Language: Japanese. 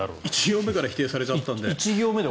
１行目から否定されちゃったので。